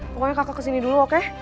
pokoknya kakak kesini dulu oke